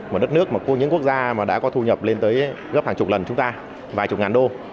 một đất nước mà những quốc gia mà đã có thu nhập lên tới gấp hàng chục lần chúng ta vài chục ngàn đô